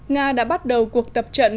nga đã bắt đầu cuộc tập trận